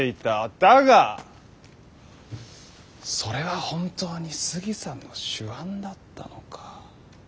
だがそれは本当にスギさんの手腕だったのか？